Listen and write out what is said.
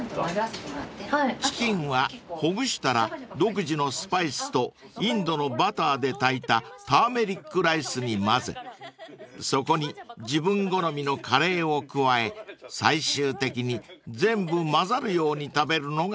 ［チキンはほぐしたら独自のスパイスとインドのバターで炊いたターメリックライスに混ぜそこに自分好みのカレーを加え最終的に全部混ざるように食べるのがお薦めとのこと］